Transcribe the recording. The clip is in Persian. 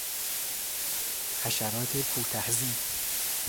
حشرات کوتهزی